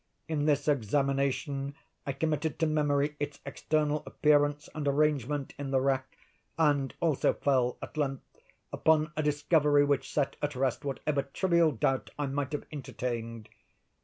In this examination, I committed to memory its external appearance and arrangement in the rack; and also fell, at length, upon a discovery which set at rest whatever trivial doubt I might have entertained.